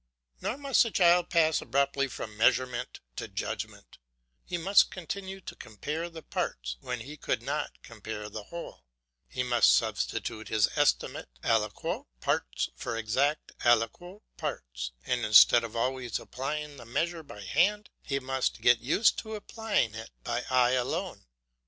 Nor must the child pass abruptly from measurement to judgment; he must continue to compare the parts when he could not compare the whole; he must substitute his estimated aliquot parts for exact aliquot parts, and instead of always applying the measure by hand he must get used to applying it by eye alone.